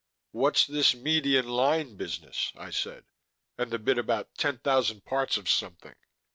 "What's this 'median line' business?" I said. "And the bit about ten thousand parts of something?"